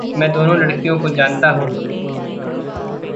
मैं दोनों लड़कीयों को जानता हूँ।